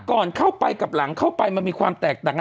ก่อนเข้าไปกับหลังเข้าไปมันมีความแตกต่างกัน